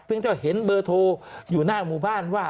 เพียงเท่าไหร่เห็นเบอร์โทรอยู่หน้าหมู่บ้านว่า